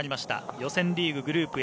予選リーググループＡ